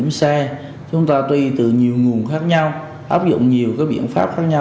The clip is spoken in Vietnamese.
mà cái lúc mà lấy tiền của khách